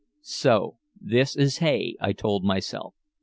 "So this is hay," I told myself.